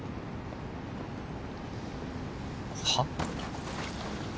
はっ？